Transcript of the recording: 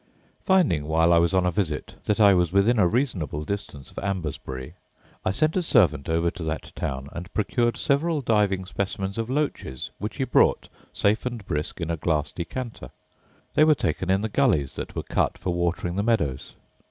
Finding, while I was on a visit, that I was within a reasonable distance of Ambresbury, I sent a servant over to that town, and procured several diving specimens of loaches, which he brought, safe and brisk, in a glass decanter. They were taken in the gullies that were cut for watering the meadows.